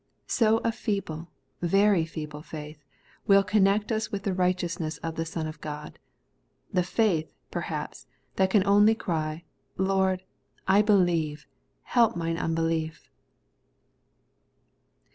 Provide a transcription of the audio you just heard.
So a feeble, very feeble faith, will connect us with the righteousness of the Son of God ; the faith, perhaps, that can only cry, ' Lord, I believe ; help mine unbelief.'